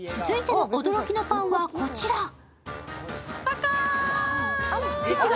続いての驚きのパンは、こちら。